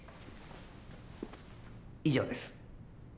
以上です。